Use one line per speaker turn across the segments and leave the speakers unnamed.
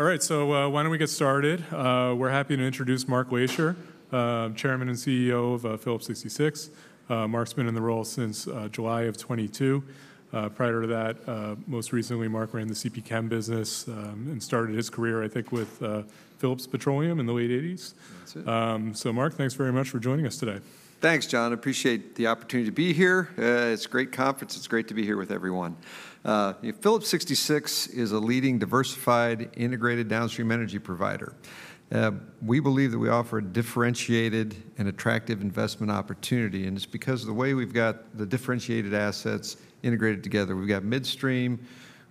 All right, so, why don't we get started? We're happy to introduce Mark Lashier, Chairman and CEO of Phillips 66. Mark's been in the role since July of 2022. Prior to that, most recently, Mark ran the CPChem business, and started his career, I think, with Phillips Petroleum in the late 1980s.
That's it.
So, Mark, thanks very much for joining us today.
Thanks, John. I appreciate the opportunity to be here. It's a great conference. It's great to be here with everyone. Phillips 66 is a leading, diversified, integrated downstream energy provider. We believe that we offer a differentiated and attractive investment opportunity, and it's because of the way we've got the differentiated assets integrated together. We've got midstream,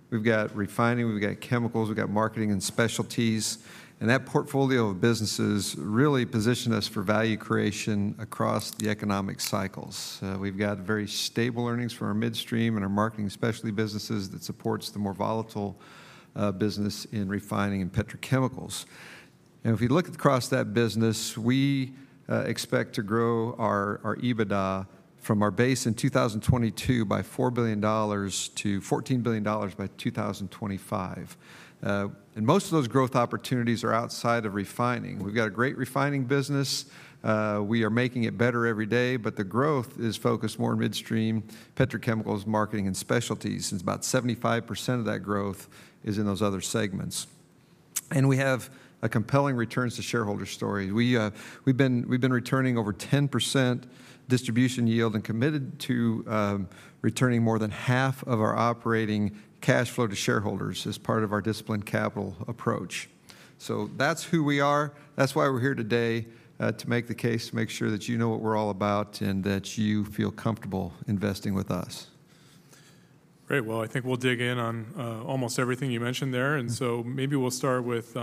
we've got refining, we've got chemicals, we've got marketing and specialties, and that portfolio of businesses really position us for value creation across the economic cycles. We've got very stable earnings from our midstream and our marketing specialty businesses that supports the more volatile business in refining and petrochemicals. And if we look across that business, we expect to grow our EBITDA from our base in 2022 by $4 billion to $14 billion by 2025. Most of those growth opportunities are outside of refining. We've got a great refining business, we are making it better every day, but the growth is focused more in midstream, petrochemicals, marketing, and specialties. About 75% of that growth is in those other segments. We have a compelling returns to shareholders story. We've been returning over 10% distribution yield and committed to returning more than half of our operating cash flow to shareholders as part of our disciplined capital approach. So that's who we are. That's why we're here today, to make the case, to make sure that you know what we're all about and that you feel comfortable investing with us.
Great. Well, I think we'll dig in on almost everything you mentioned there.
Mm-hmm.
Maybe we'll start with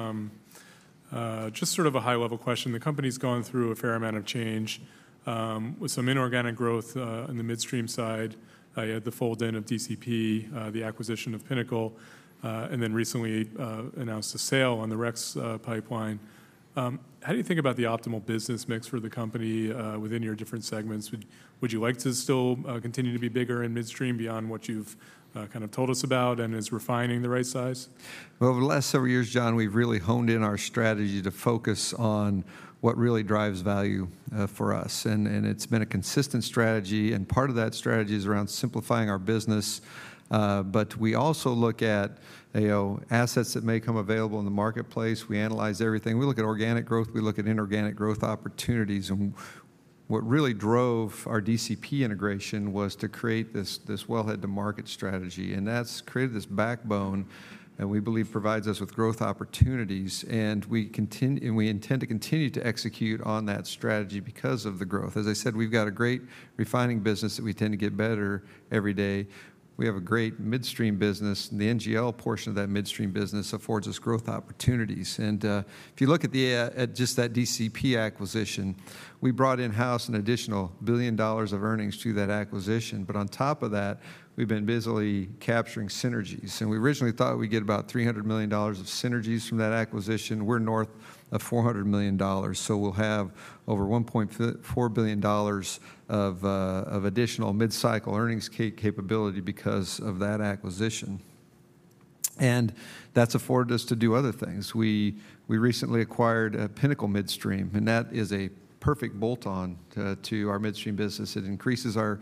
just sort of a high-level question. The company's gone through a fair amount of change with some inorganic growth on the midstream side. You had the fold-in of DCP, the acquisition of Pinnacle, and then recently announced a sale on the REX pipeline. How do you think about the optimal business mix for the company within your different segments? Would you like to still continue to be bigger in midstream beyond what you've kind of told us about, and is refining the right size?
Well, over the last several years, John, we've really honed in our strategy to focus on what really drives value, for us. And it's been a consistent strategy, and part of that strategy is around simplifying our business. But we also look at, you know, assets that may come available in the marketplace. We analyze everything. We look at organic growth. We look at inorganic growth opportunities, and what really drove our DCP integration was to create this wellhead-to-market strategy. And that's created this backbone that we believe provides us with growth opportunities, and we intend to continue to execute on that strategy because of the growth. As I said, we've got a great refining business that we tend to get better every day. We have a great midstream business, and the NGL portion of that midstream business affords us growth opportunities. If you look at just that DCP acquisition, we brought in-house an additional $1 billion of earnings through that acquisition. But on top of that, we've been busily capturing synergies. We originally thought we'd get about $300 million of synergies from that acquisition. We're north of $400 million, so we'll have over $1.4 billion of additional mid-cycle earnings capability because of that acquisition. That's afforded us to do other things. We recently acquired Pinnacle Midstream, and that is a perfect bolt-on to our midstream business. It increases our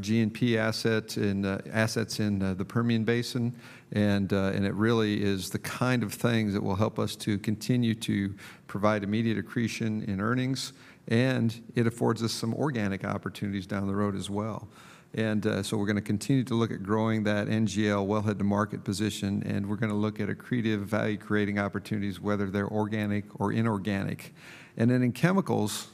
G&P assets in assets in the Permian Basin, and it really is the kind of things that will help us to continue to provide immediate accretion in earnings, and it affords us some organic opportunities down the road as well. And so we're gonna continue to look at growing that NGL wellhead-to-market position, and we're gonna look at accretive, value-creating opportunities, whether they're organic or inorganic. And then in chemicals,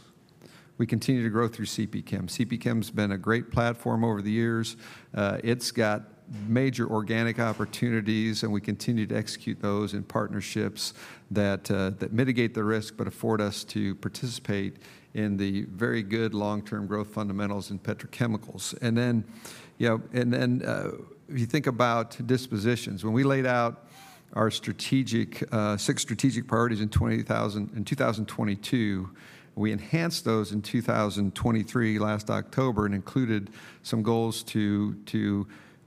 we continue to grow through CPChem. CPChem's been a great platform over the years. It's got major organic opportunities, and we continue to execute those in partnerships that that mitigate the risk but afford us to participate in the very good long-term growth fundamentals in petrochemicals. And then, you know, if you think about dispositions, when we laid out our six strategic priorities in 2022, we enhanced those in 2023, last October, and included some goals to do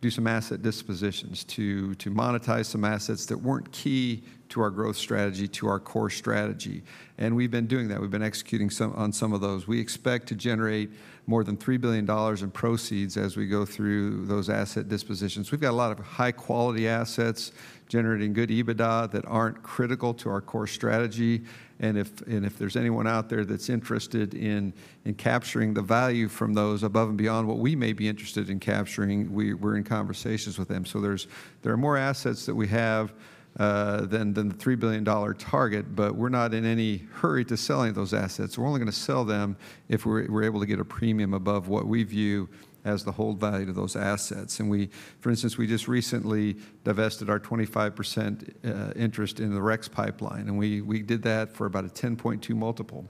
some asset dispositions, to monetize some assets that weren't key to our growth strategy, to our core strategy. And we've been doing that. We've been executing on some of those. We expect to generate more than $3 billion in proceeds as we go through those asset dispositions. We've got a lot of high-quality assets generating good EBITDA that aren't critical to our core strategy. And if there's anyone out there that's interested in capturing the value from those above and beyond what we may be interested in capturing, we're in conversations with them. So there are more assets that we have than the $3 billion target, but we're not in any hurry to sell any of those assets. We're only gonna sell them if we're able to get a premium above what we view as the hold value to those assets. For instance, we just recently divested our 25% interest in the REX Pipeline, and we did that for about a 10.2x multiple.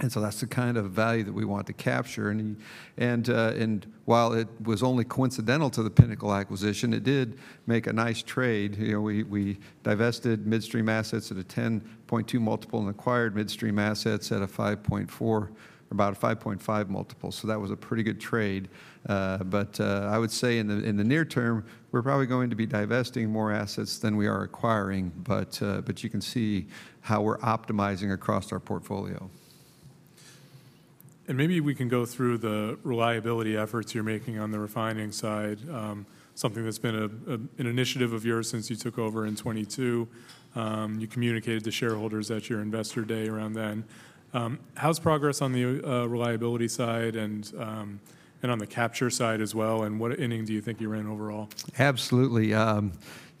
And so that's the kind of value that we want to capture. And while it was only coincidental to the Pinnacle acquisition, it did make a nice trade. You know, we divested midstream assets at a 10.2x multiple and acquired midstream assets at a 5.4x, about a 5.5x multiple. So that was a pretty good trade. But I would say in the near term, we're probably going to be divesting more assets than we are acquiring, but you can see how we're optimizing across our portfolio....
And maybe we can go through the reliability efforts you're making on the refining side, something that's been an initiative of yours since you took over in 2022. You communicated to shareholders at your Investor Day around then. How's progress on the reliability side and on the capture side as well, and what inning do you think you're in overall?
Absolutely. You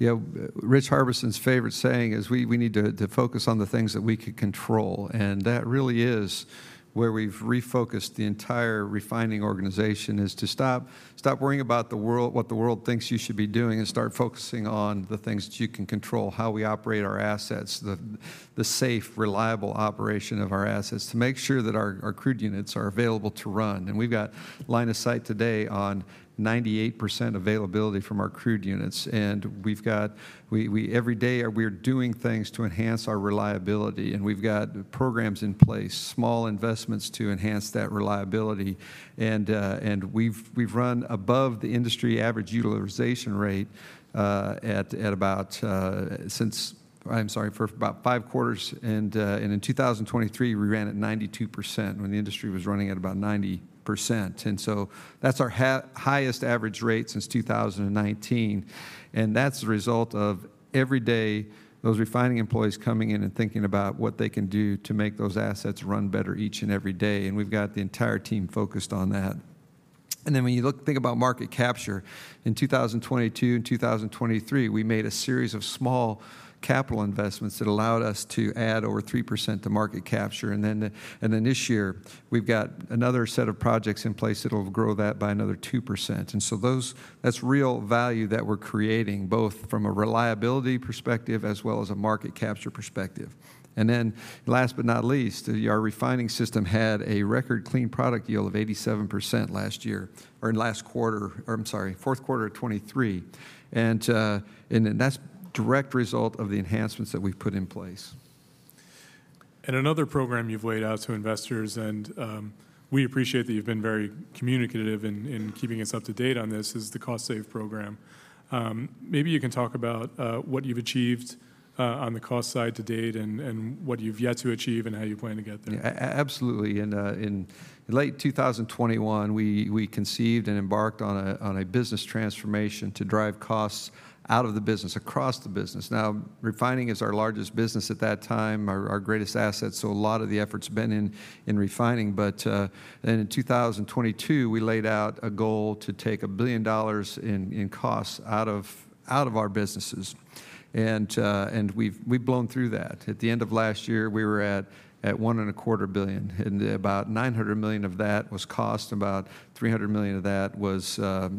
know, Rich Harbison's favorite saying is, "We need to focus on the things that we can control." And that really is where we've refocused the entire refining organization, is to stop worrying about the world, what the world thinks you should be doing, and start focusing on the things that you can control: how we operate our assets, the safe, reliable operation of our assets, to make sure that our crude units are available to run. And we've got line of sight today on 98% availability from our crude units, and we've got every day, we're doing things to enhance our reliability, and we've got programs in place, small investments to enhance that reliability. And we've run above the industry average utilization rate at about, since— I'm sorry, for about five quarters. In 2023, we ran at 92% when the industry was running at about 90%. And so that's our highest average rate since 2019, and that's a result of every day, those refining employees coming in and thinking about what they can do to make those assets run better each and every day, and we've got the entire team focused on that. And then when you think about market capture, in 2022 and 2023, we made a series of small capital investments that allowed us to add over 3% to market capture. And then this year, we've got another set of projects in place that'll grow that by another 2%. And so that's real value that we're creating, both from a reliability perspective as well as a market capture perspective. And then, last but not least, our refining system had a record clean product yield of 87% last year or in last quarter, or I'm sorry, fourth quarter of 2023. And, and then that's direct result of the enhancements that we've put in place.
Another program you've laid out to investors, and we appreciate that you've been very communicative in keeping us up to date on this, is the cost save program. Maybe you can talk about what you've achieved on the cost side to date and what you've yet to achieve and how you plan to get there.
Absolutely. In late 2021, we conceived and embarked on a business transformation to drive costs out of the business, across the business. Now, refining is our largest business at that time, our greatest asset, so a lot of the effort's been in refining. But in 2022, we laid out a goal to take $1 billion in costs out of our businesses, and we've blown through that. At the end of last year, we were at $1.25 billion, and about $900 million of that was cost, about $300 million of that was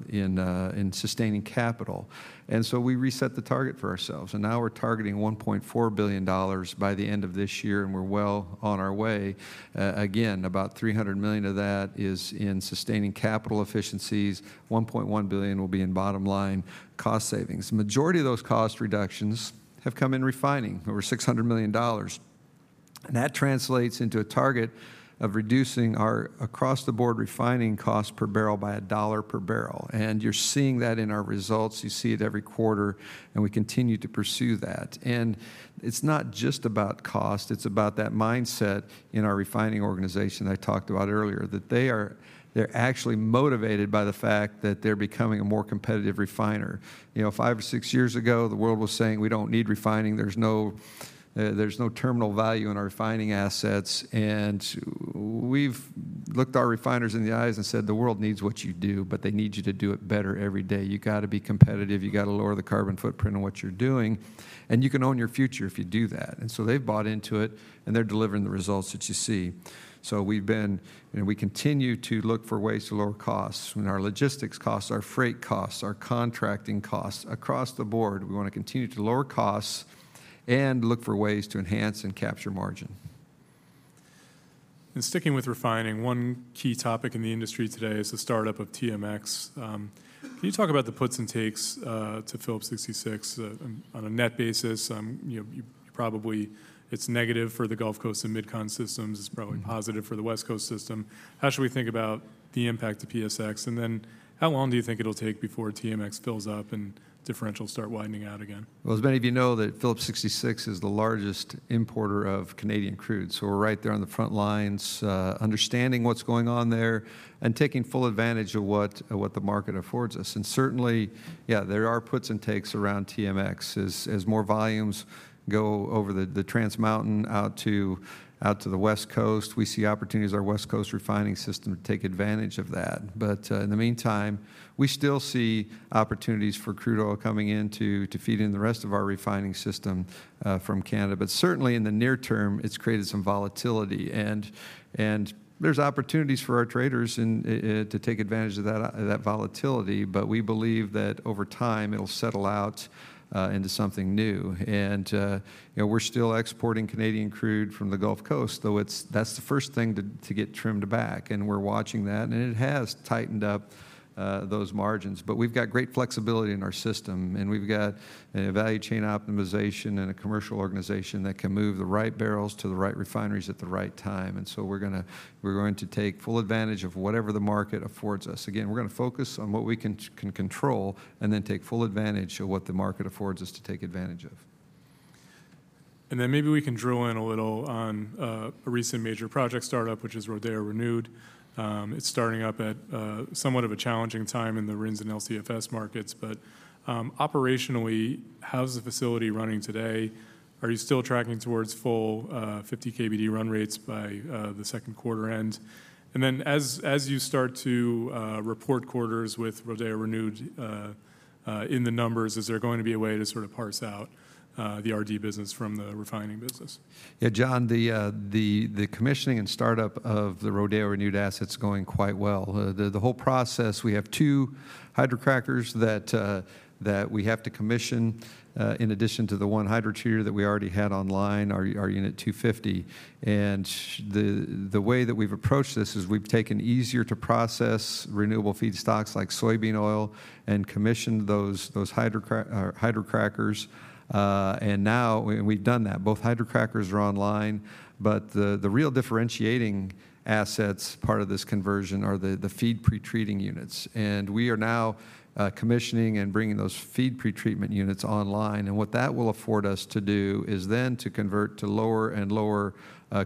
in sustaining capital. And so we reset the target for ourselves, and now we're targeting $1.4 billion by the end of this year, and we're well on our way. Again, about $300 million of that is in sustaining capital efficiencies. $1.1 billion will be in bottom line cost savings. Majority of those cost reductions have come in refining, over $600 million, and that translates into a target of reducing our across-the-board refining cost per barrel by $1 per barrel. And you're seeing that in our results. You see it every quarter, and we continue to pursue that. And it's not just about cost, it's about that mindset in our refining organization I talked about earlier, that they're actually motivated by the fact that they're becoming a more competitive refiner. You know, 5 or 6 years ago, the world was saying: "We don't need refining. There's no terminal value in our refining assets." And we've looked our refiners in the eyes and said: "The world needs what you do, but they need you to do it better every day. You gotta be competitive. You gotta lower the carbon footprint on what you're doing, and you can own your future if you do that." And so they've bought into it, and they're delivering the results that you see. So we've been and we continue to look for ways to lower costs in our logistics costs, our freight costs, our contracting costs, across the board. We wanna continue to lower costs and look for ways to enhance and capture margin.
And sticking with refining, one key topic in the industry today is the startup of TMX. Can you talk about the puts and takes to Phillips 66 on a net basis? You know, you probably it's negative for the Gulf Coast and MidCon systems.
Mm-hmm.
It's probably positive for the West Coast system. How should we think about the impact to PSX? And then how long do you think it'll take before TMX fills up and differentials start widening out again?
Well, as many of you know, that Phillips 66 is the largest importer of Canadian crude, so we're right there on the front lines, understanding what's going on there and taking full advantage of what the market affords us. And certainly, yeah, there are puts and takes around TMX. As more volumes go over the Trans Mountain out to the West Coast, we see opportunities in our West Coast refining system to take advantage of that. But in the meantime, we still see opportunities for crude oil coming in to feed in the rest of our refining system from Canada. But certainly, in the near term, it's created some volatility, and there's opportunities for our traders to take advantage of that volatility, but we believe that over time, it'll settle out into something new. And, you know, we're still exporting Canadian crude from the Gulf Coast, though it's—that's the first thing to get trimmed back, and we're watching that, and it has tightened up those margins. But we've got great flexibility in our system, and we've got a value chain optimization and a commercial organization that can move the right barrels to the right refineries at the right time. And so we're going to take full advantage of whatever the market affords us. Again, we're gonna focus on what we can control, and then take full advantage of what the market affords us to take advantage of....
And then maybe we can drill in a little on a recent major project startup, which is Rodeo Renewed. It's starting up at somewhat of a challenging time in the RINs and LCFS markets, but operationally, how's the facility running today? Are you still tracking towards full 50 KBD run rates by the second quarter end? And then as you start to report quarters with Rodeo Renewed in the numbers, is there going to be a way to sort of parse out the RD business from the refining business?
Yeah, John, the commissioning and startup of the Rodeo Renewed asset's going quite well. The whole process, we have two hydrocrackers that we have to commission in addition to the one hydrotreater that we already had online, our Unit 250. And the way that we've approached this is we've taken easier-to-process renewable feedstocks like soybean oil and commissioned those hydrocrackers. And now we've done that. Both hydrocrackers are online, but the real differentiating assets part of this conversion are the feed pretreating units. And we are now commissioning and bringing those feed pretreatment units online. And what that will afford us to do is then to convert to lower and lower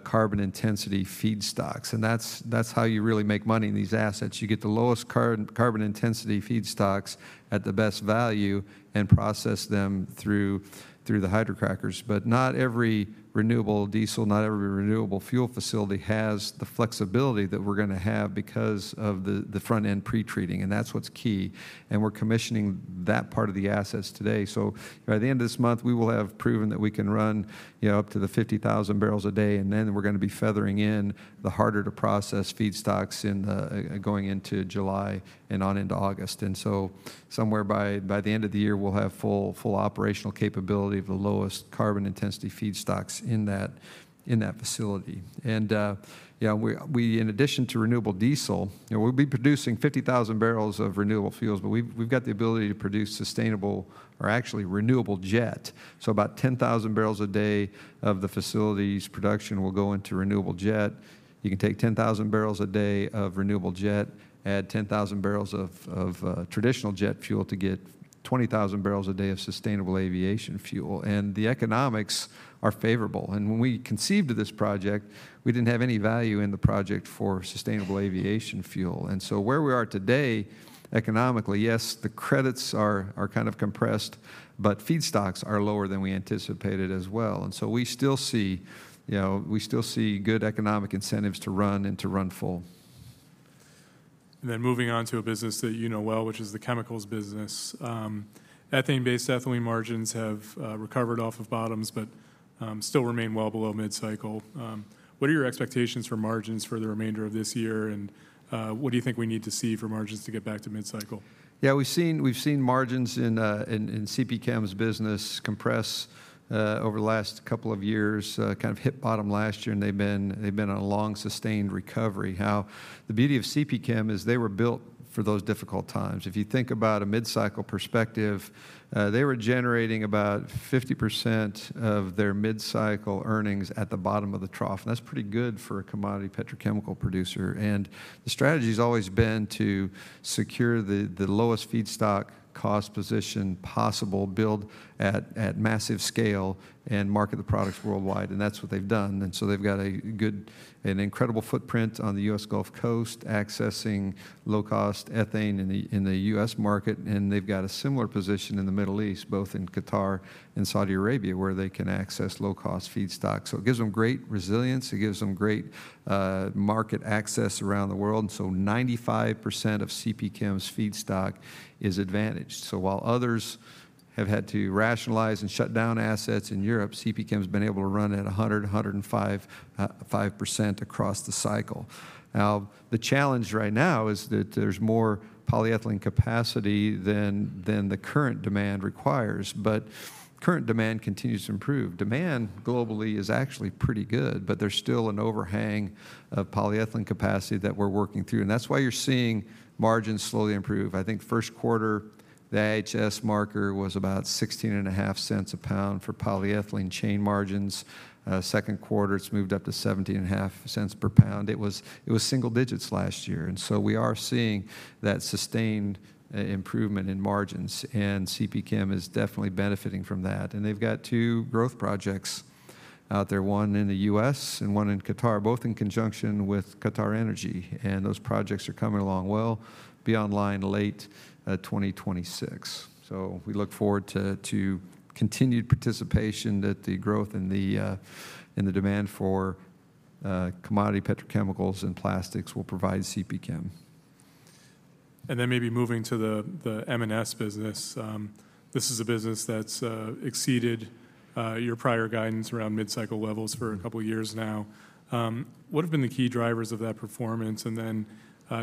carbon intensity feedstocks. And that's how you really make money in these assets. You get the lowest carbon intensity feedstocks at the best value and process them through the hydrocrackers. But not every renewable diesel, not every renewable fuel facility has the flexibility that we're gonna have because of the front-end pretreating, and that's what's key, and we're commissioning that part of the assets today. So by the end of this month, we will have proven that we can run, you know, up to 50,000 barrels a day, and then we're gonna be feathering in the harder-to-process feedstocks going into July and on into August. And so somewhere by the end of the year, we'll have full operational capability of the lowest carbon intensity feedstocks in that facility. Yeah, we in addition to renewable diesel, you know, we'll be producing 50,000 barrels of renewable fuels, but we've got the ability to produce sustainable or actually renewable jet. So about 10,000 barrels a day of the facility's production will go into renewable jet. You can take 10,000 barrels a day of renewable jet, add 10,000 barrels of traditional jet fuel to get 20,000 barrels a day of sustainable aviation fuel, and the economics are favorable. When we conceived of this project, we didn't have any value in the project for sustainable aviation fuel. So where we are today, economically, yes, the credits are kind of compressed, but feedstocks are lower than we anticipated as well. We still see, you know, we still see good economic incentives to run and to run full.
And then moving on to a business that you know well, which is the chemicals business. ethane-based ethylene margins have recovered off of bottoms, but still remain well below mid-cycle. What are your expectations for margins for the remainder of this year, and what do you think we need to see for margins to get back to mid-cycle?
Yeah, we've seen margins in CPChem's business compress over the last couple of years. Kind of hit bottom last year, and they've been on a long, sustained recovery. Now, the beauty of CPChem is they were built for those difficult times. If you think about a mid-cycle perspective, they were generating about 50% of their mid-cycle earnings at the bottom of the trough, and that's pretty good for a commodity petrochemical producer. And the strategy has always been to secure the lowest feedstock cost position possible, build at massive scale, and market the products worldwide, and that's what they've done. And so they've got an incredible footprint on the U.S. Gulf Coast, accessing low-cost ethane in the U.S. market, and they've got a similar position in the Middle East, both in Qatar and Saudi Arabia, where they can access low-cost feedstock. So it gives them great resilience. It gives them great market access around the world. And so 95% of CPChem's feedstock is advantaged. So while others have had to rationalize and shut down assets in Europe, CPChem's been able to run at 100-105% across the cycle. Now, the challenge right now is that there's more polyethylene capacity than the current demand requires, but current demand continues to improve. Demand globally is actually pretty good, but there's still an overhang of polyethylene capacity that we're working through, and that's why you're seeing margins slowly improve. I think first quarter, the IHS marker was about $0.165 per lb for polyethylene chain margins. Second quarter, it's moved up to $0.175 per lb. It was single digits last year, and so we are seeing that sustained improvement in margins, and CPChem is definitely benefiting from that. And they've got 2 growth projects out there, one in the U.S. and one in Qatar, both in conjunction with QatarEnergy, and those projects are coming along well. Be online late 2026. So we look forward to continued participation that the growth and the demand for commodity petrochemicals and plastics will provide CPChem.
...Then maybe moving to the M&S business. This is a business that's exceeded your prior guidance around mid-cycle levels for a couple of years now. What have been the key drivers of that performance? Then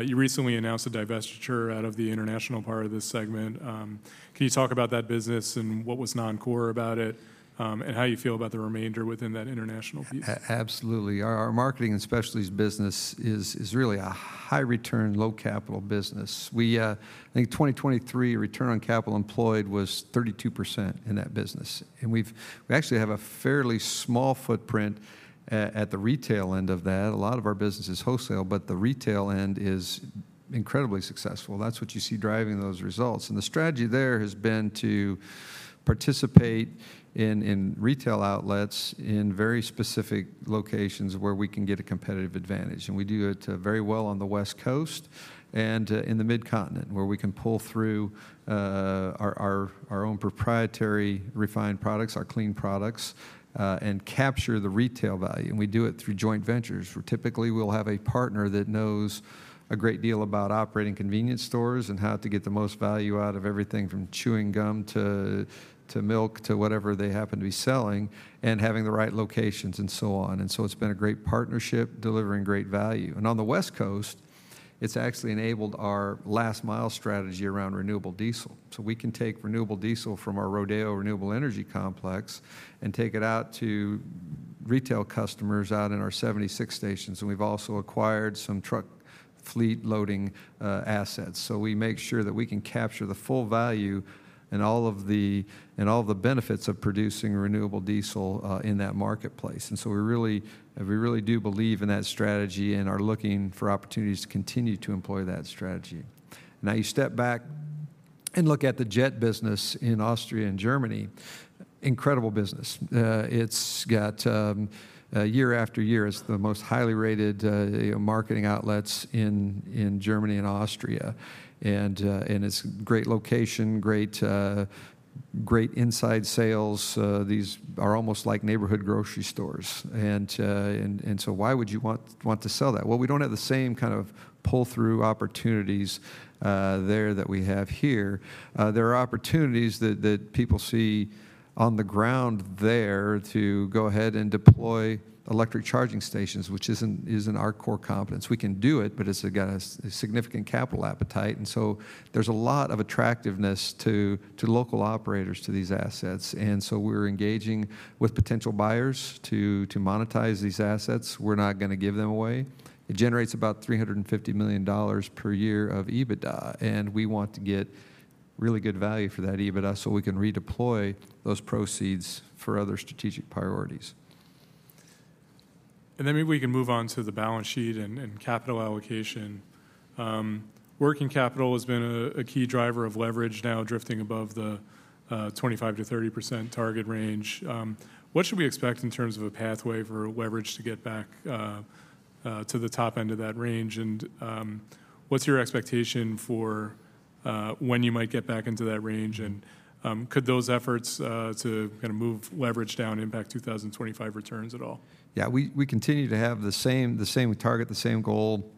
you recently announced a divestiture out of the international part of this segment. Can you talk about that business and what was non-core about it, and how you feel about the remainder within that international piece?
Absolutely. Our marketing and specialties business is really a high return, low capital business. I think 2023, return on capital employed was 32% in that business, and we've actually have a fairly small footprint at the retail end of that. A lot of our business is wholesale, but the retail end is incredibly successful. That's what you see driving those results. And the strategy there has been to participate in retail outlets in very specific locations where we can get a competitive advantage. And we do it very well on the West Coast and in the Mid-Continent, where we can pull through our own proprietary refined products, our clean products, and capture the retail value, and we do it through joint ventures. Where typically, we'll have a partner that knows a great deal about operating convenience stores and how to get the most value out of everything from chewing gum to, to milk, to whatever they happen to be selling, and having the right locations and so on. And so it's been a great partnership, delivering great value. And on the West Coast, it's actually enabled our last mile strategy around renewable diesel. So we can take renewable diesel from our Rodeo Renewed facility and take it out to retail customers out in our 76 stations, and we've also acquired some truck fleet loading assets. So we make sure that we can capture the full value and all of the, and all the benefits of producing renewable diesel in that marketplace. And so we really do believe in that strategy and are looking for opportunities to continue to employ that strategy. Now, you step back and look at the JET business in Austria and Germany, incredible business. It's got year after year, it's the most highly rated marketing outlets in Germany and Austria. And it's great location, great, great inside sales. These are almost like neighborhood grocery stores. And so why would you want to sell that? Well, we don't have the same kind of pull-through opportunities there that we have here. There are opportunities that people see on the ground there to go ahead and deploy electric charging stations, which isn't our core competence. We can do it, but it's got a significant capital appetite, and so there's a lot of attractiveness to local operators to these assets, and so we're engaging with potential buyers to monetize these assets. We're not gonna give them away. It generates about $350 million per year of EBITDA, and we want to get really good value for that EBITDA, so we can redeploy those proceeds for other strategic priorities.
And then maybe we can move on to the balance sheet and capital allocation. Working capital has been a key driver of leverage, now drifting above the 25%-30% target range. What should we expect in terms of a pathway for leverage to get back to the top end of that range? And what's your expectation for when you might get back into that range, and could those efforts to kind of move leverage down impact 2025 returns at all?
Yeah, we continue to have the same target, the same goal,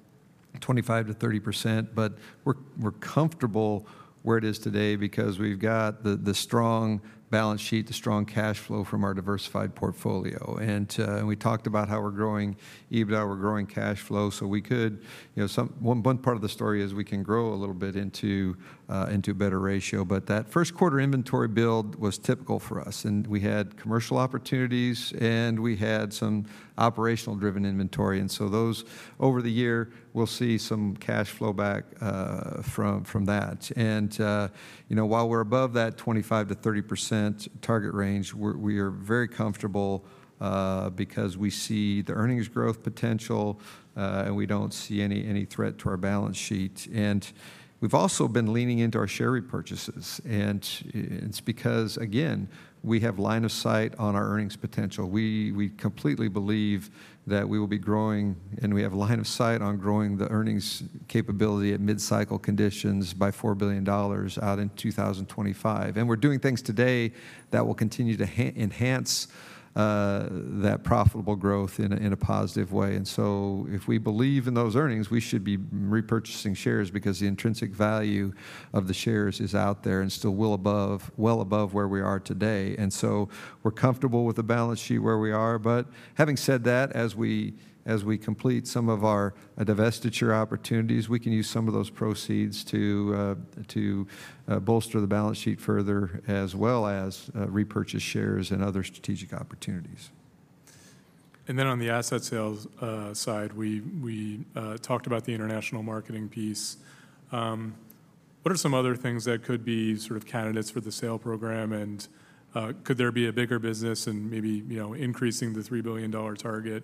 25%-30%, but we're comfortable where it is today because we've got the strong balance sheet, the strong cash flow from our diversified portfolio. And we talked about how we're growing EBITDA, we're growing cash flow, so we could— You know, one part of the story is we can grow a little bit into a better ratio, but that first quarter inventory build was typical for us, and we had commercial opportunities, and we had some operational-driven inventory. And so those, over the year, we'll see some cash flow back from that. And, you know, while we're above that 25%-30% target range, we are very comfortable, because we see the earnings growth potential, and we don't see any, any threat to our balance sheet. And we've also been leaning into our share repurchases, and it's because, again, we have line of sight on our earnings potential. We completely believe that we will be growing, and we have line of sight on growing the earnings capability at mid-cycle conditions by $4 billion out in 2025. And we're doing things today that will continue to enhance that profitable growth in a positive way. And so if we believe in those earnings, we should be repurchasing shares because the intrinsic value of the shares is out there and still well above, well above where we are today. And so we're comfortable with the balance sheet where we are. But having said that, as we complete some of our divestiture opportunities, we can use some of those proceeds to bolster the balance sheet further, as well as repurchase shares and other strategic opportunities.
And then on the asset sales side, we talked about the international marketing piece. What are some other things that could be sort of candidates for the sale program, and could there be a bigger business and maybe, you know, increasing the $3 billion target,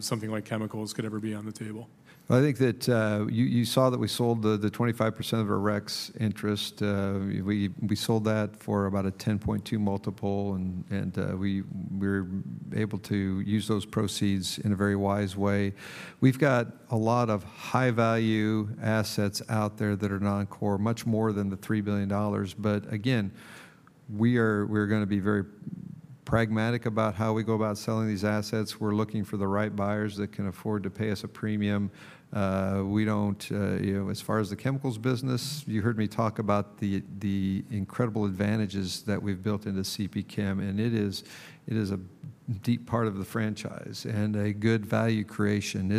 something like chemicals could ever be on the table?
I think that, you saw that we sold the 25% of our REX interest. We sold that for about a 10.2x multiple, and we are able to use those proceeds in a very wise way. We've got a lot of high-value assets out there that are non-core, much more than $3 billion. But again, we are—we're gonna be very pragmatic about how we go about selling these assets. We're looking for the right buyers that can afford to pay us a premium. We don't, you know, as far as the chemicals business, you heard me talk about the incredible advantages that we've built into CPChem, and it is a deep part of the franchise and a good value creation.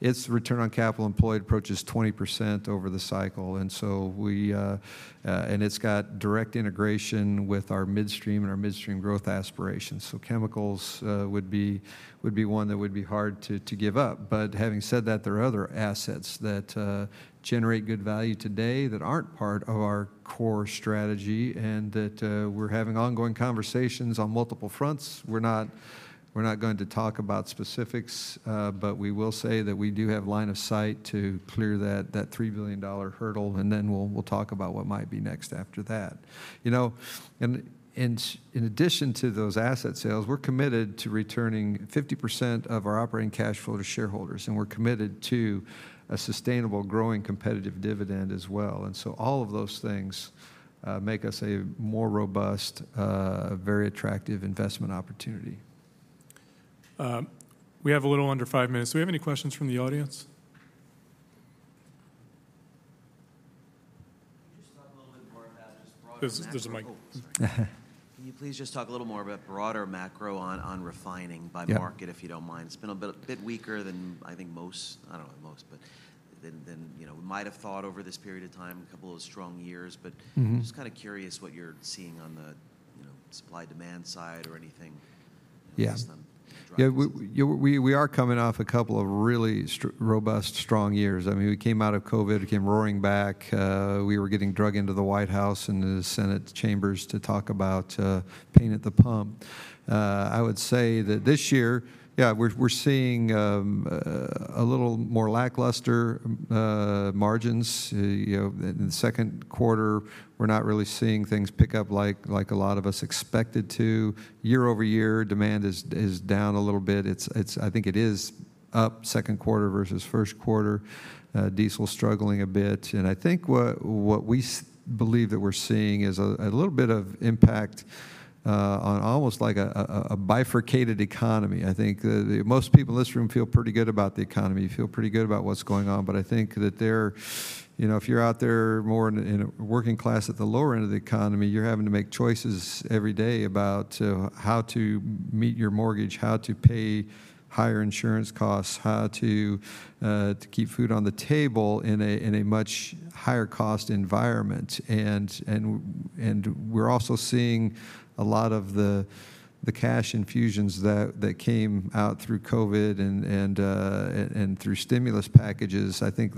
It's return on capital employed approaches 20% over the cycle, and so it's got direct integration with our midstream and our midstream growth aspirations. So chemicals would be one that would be hard to give up. But having said that, there are other assets that generate good value today that aren't part of our core strategy, and that we're having ongoing conversations on multiple fronts. We're not going to talk about specifics, but we will say that we do have line of sight to clear that $3 billion hurdle, and then we'll talk about what might be next after that. You know, and in addition to those asset sales, we're committed to returning 50% of our operating cash flow to shareholders, and we're committed to a sustainable, growing, competitive dividend as well. So all of those things make us a more robust, very attractive investment opportunity.
We have a little under five minutes. Do we have any questions from the audience?
Can you just talk a little bit more about just broader-
There's a mic.
Can you please just talk a little more about broader macro on refining?
Yeah...
by market, if you don't mind? It's been a bit weaker than I think most, I don't know about most, but than you know, we might have thought over this period of time, a couple of strong years.
Mm-hmm.
I'm just kinda curious what you're seeing on the, you know, supply-demand side or anything.
Yeah.
Just on-
Yeah, we are coming off a couple of really robust, strong years. I mean, we came out of COVID, we came roaring back. We were getting dragged into the White House and the Senate chambers to talk about pain at the pump. I would say that this year, yeah, we're seeing a little more lackluster margins. You know, in the second quarter, we're not really seeing things pick up like a lot of us expected to. Year-over-year, demand is down a little bit. It's up second quarter versus first quarter. Diesel struggling a bit. And I think what we believe that we're seeing is a little bit of impact on almost like a bifurcated economy. I think the most people in this room feel pretty good about the economy, feel pretty good about what's going on. But I think that there, you know, if you're out there more in a working class at the lower end of the economy, you're having to make choices every day about how to meet your mortgage, how to pay higher insurance costs, how to keep food on the table in a much higher cost environment. And we're also seeing a lot of the cash infusions that came out through COVID and through stimulus packages. I think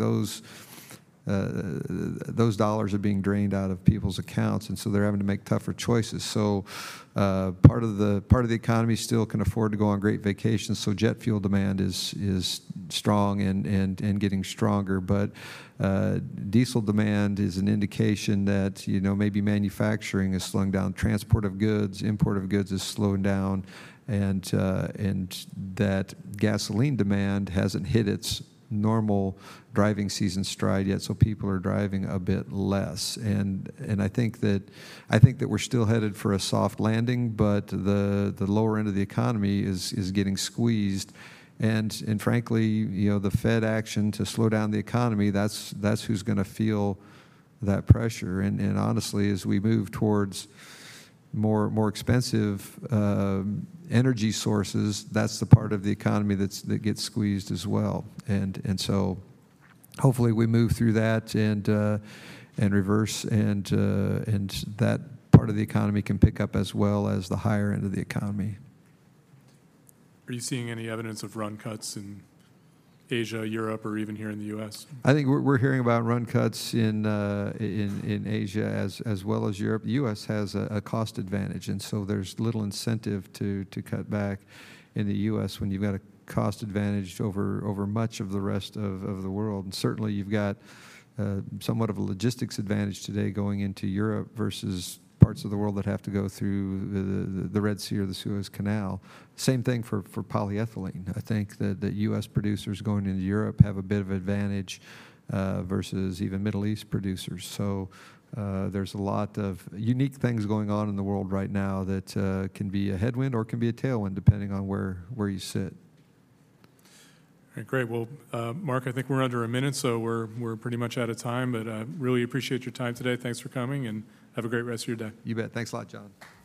those dollars are being drained out of people's accounts, and so they're having to make tougher choices. So, part of the economy still can afford to go on great vacations, so jet fuel demand is strong and getting stronger. But, diesel demand is an indication that, you know, maybe manufacturing is slowing down, transport of goods, import of goods is slowing down, and that gasoline demand hasn't hit its normal driving season stride yet, so people are driving a bit less. And I think that we're still headed for a soft landing, but the lower end of the economy is getting squeezed. And frankly, you know, the Fed action to slow down the economy, that's who's gonna feel that pressure. And honestly, as we move towards more expensive energy sources, that's the part of the economy that gets squeezed as well. And so hopefully we move through that and reverse, and that part of the economy can pick up as well as the higher end of the economy.
Are you seeing any evidence of run cuts in Asia, Europe, or even here in the U.S.?
I think we're hearing about run cuts in Asia as well as Europe. The U.S. has a cost advantage, and so there's little incentive to cut back in the U.S. when you've got a cost advantage over much of the rest of the world. And certainly, you've got somewhat of a logistics advantage today going into Europe versus parts of the world that have to go through the Red Sea or the Suez Canal. Same thing for polyethylene. I think that the U.S. producers going into Europe have a bit of advantage versus even Middle East producers. So, there's a lot of unique things going on in the world right now that can be a headwind or can be a tailwind, depending on where you sit.
All right, great. Well, Mark, I think we're under a minute, so we're pretty much out of time. But, really appreciate your time today. Thanks for coming, and have a great rest of your day.
You bet. Thanks a lot, John.